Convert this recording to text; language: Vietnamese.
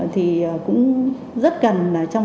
thì cũng rất cần là trong